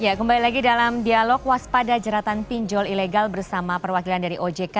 ya kembali lagi dalam dialog waspada jeratan pinjol ilegal bersama perwakilan dari ojk